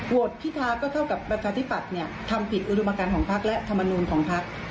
โหวตพิทาก็เข้ากับปฏิภัทธ์ทำผิดอุดมการของภักดิ์และธรรมนูญของภักดิ์